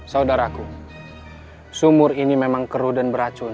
saudaraku sumur ini memang keruh dan beracun